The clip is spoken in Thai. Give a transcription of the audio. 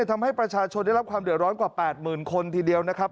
ทำให้ประชาชนได้รับความเดือดร้อนกว่า๘๐๐๐คนทีเดียวนะครับ